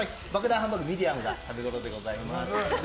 ハンバーグ、ミディアムが食べごろでございます。